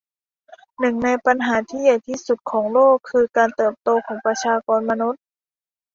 หนึ่งในปัญหาที่ใหญ่ที่สุดของโลกคือการเติบโตของประชากรมนุษย์